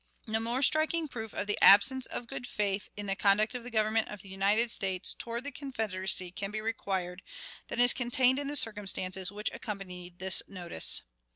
"No more striking proof of the absence of good faith in the conduct of the Government of the United States toward the Confederacy can be required, than is contained in the circumstances which accompanied this notice.